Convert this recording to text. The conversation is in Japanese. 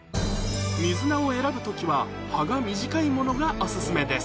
水菜を選ぶ時は葉が短いものがお薦めです